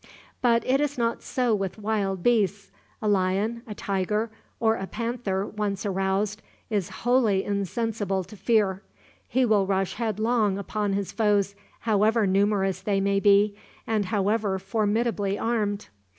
But it is not so with wild beasts. A lion, a tiger, or a panther, once aroused, is wholly insensible to fear. He will rush headlong upon his foes, however numerous they may be, and however formidably armed.